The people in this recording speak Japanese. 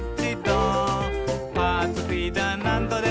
「パーツフィーダーなんどでも」